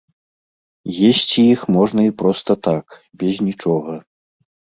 Есці іх можна і проста так, без нічога.